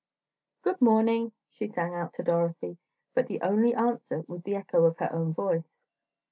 "Good morning!" she sang out to Dorothy, but the only answer was the echo of her own voice.